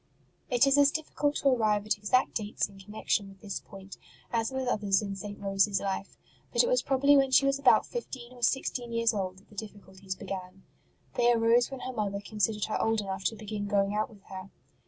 It is as difficult to arrive at exact dates in con nection with this point as with others in St. Rose s life ; but it was probably when she was about fifteen or sixteen years old that the difficulties began. They arose when her mother considered her old enough to begin going out with her.